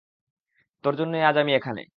তোর জন্যই আজ আমি এখানে।